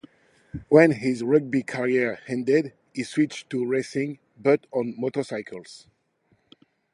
When his rugby career ended he switched to racing, but on motorcycles.